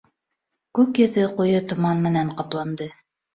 Күк йөҙө ҡуйы томан менән ҡапланды.